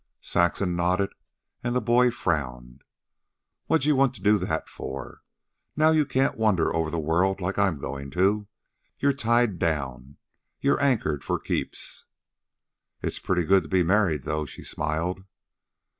Saxon nodded, and the boy frowned. "What'd you want to do that for? Now you can't wander over the world like I'm going to. You're tied down. You're anchored for keeps." "It's pretty good to be married, though," she smiled.